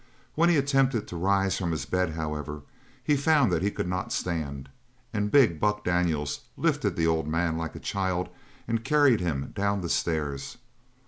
When he attempted to rise from his bed, however, he found that he could not stand; and big Buck Daniels lifted the old man like a child and carried him down the stairs.